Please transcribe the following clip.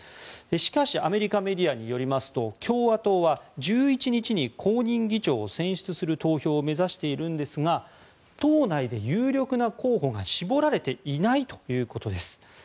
しかしアメリカメディアによりますと共和党は１１日に後任議長を選出する投票を目指しているんですが党内で有力な候補が絞られていないということです。